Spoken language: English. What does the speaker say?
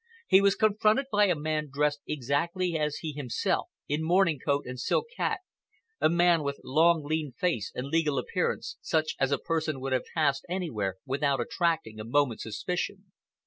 He was confronted by a man dressed exactly as he himself was, in morning coat and silk hat, a man with long, lean face and legal appearance, such a person as would have passed anywhere without attracting a moment's suspicion.